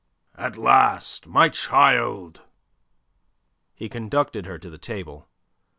"At last, my child!" He conducted her to the table.